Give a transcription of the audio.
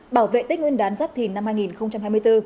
bảo vệ tích nguyên đán giáp thìn năm hai nghìn hai mươi bốn